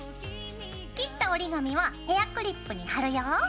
切った折り紙はヘアクリップに貼るよ。